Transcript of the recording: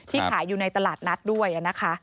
ขายอยู่ในตลาดนัดด้วยนะคะ